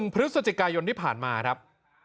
พฤศจิกายนที่ผ่านมาครับ